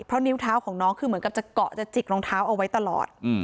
เพราะนิ้วเท้าของน้องคือเหมือนกับจะเกาะจะจิกรองเท้าเอาไว้ตลอด